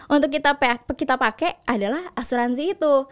untuk kita pakai adalah asuransi itu